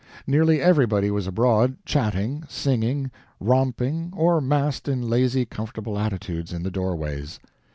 Nearly everybody was abroad, chatting, singing, romping, or massed in lazy comfortable attitudes in the doorways.